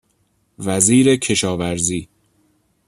وزیر کشاورزی